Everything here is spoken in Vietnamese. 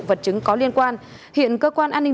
vật chứng có liên quan hiện cơ quan an ninh